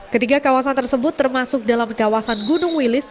ketiga kawasan tersebut termasuk dalam kawasan gunung wilis